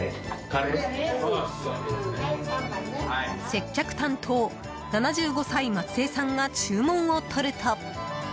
接客担当、７５歳松江さんが注文をとると。